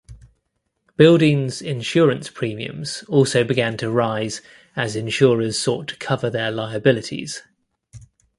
Buildings insurance premiums also began to rise as insurers sought to cover their liabilities.